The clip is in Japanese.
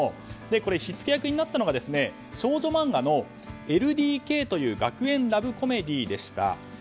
これ、火付け役になったのが少女漫画の「Ｌ・ＤＫ」という学園ラブコメディーでした。